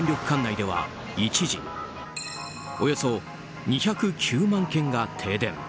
管内では一時およそ２０９万軒が停電。